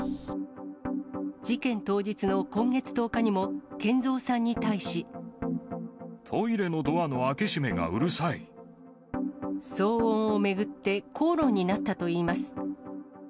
事件当日の今月１０日にも、トイレのドアの開け閉めがう騒音を巡って、口論になったといいます。